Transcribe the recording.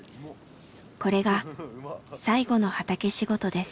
これが最後の畑仕事です。